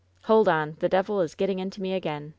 Hold on! The devil is getting into me again!"